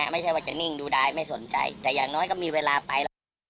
ไม่ใช่ว่าจะนิ่งดูดายไม่สนใจแต่อย่างน้อยก็มีเวลาไปหรอก